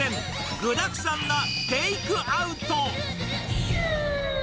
具だくさんなテイクアウト。